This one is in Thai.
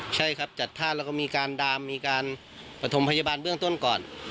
ใช่ครับจัดท่าแล้วก็มีการดามมีการประถมพยาบาลเบื้องต้นก่อน